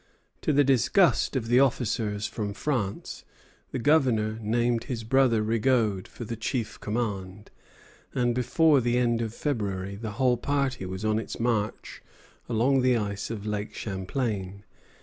To the disgust of the officers from France, the Governor named his brother Rigaud for the chief command; and before the end of February the whole party was on its march along the ice of Lake Champlain.